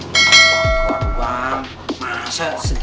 waduh bang masa segitu